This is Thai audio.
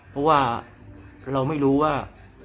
เพราะว่าเราไม่รู้ว่า